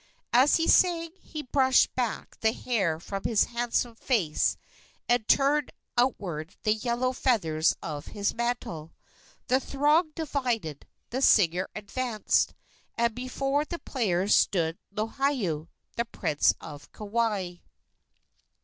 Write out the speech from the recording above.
As he sang he brushed back the hair from his handsome face and turned outward the yellow feathers of his mantle. The throng divided, the singer advanced, and before the players stood Lohiau, the prince of Kauai.